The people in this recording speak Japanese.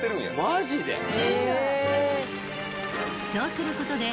［そうすることで］